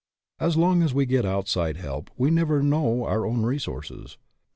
As long as we get outside help we never know our own resources.